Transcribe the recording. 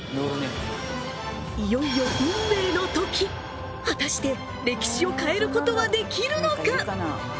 いよいよ運命の時果たして歴史を変えることはできるのか？